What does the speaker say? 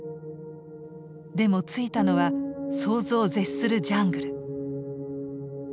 でも着いたのは想像を絶するジャングル。